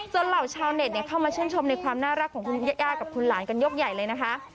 เหล่าชาวเน็ตเข้ามาชื่นชมในความน่ารักของคุณย่ากับคุณหลานกันยกใหญ่เลยนะคะ